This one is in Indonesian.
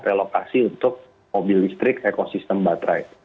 relokasi untuk mobil listrik ekosistem baterai